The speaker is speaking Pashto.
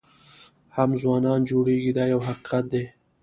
هم ځوانان جوړېږي دا یو حقیقت دی.